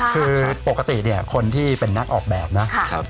คือปกติเนี่ยคนที่เป็นนักออกแบบนะ